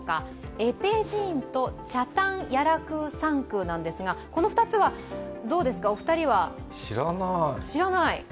エペジーーンとチャタンヤラクーサンクーですがこの２つはどうですか、お二人は？